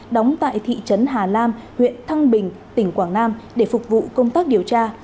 đóng tại thị trấn hà lam huyện thăng bình tỉnh quảng nam để phục vụ công tác điều tra